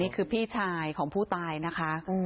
นี่คือพี่ชายของผู้ตายนะคะ